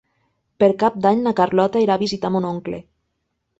Per Cap d'Any na Carlota irà a visitar mon oncle.